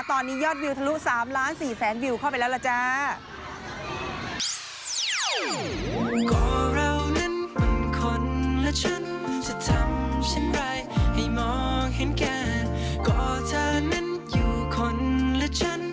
ตอนนี้ยอดวิวทะลุ๓ล้าน๔แสนวิวเข้าไปแล้วล่ะจ้า